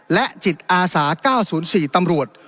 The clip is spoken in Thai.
และจิตอาสา๙๐๔ตำรวจ